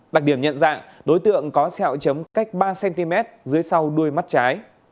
đặc điểm nhận dạng đối tượng có xẹo chấm cách ba cm dưới sau đuôi mắt trái